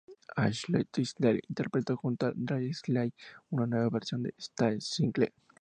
Ashley Tisdale interpretó junto a Drew Seeley una nueva versión de este single.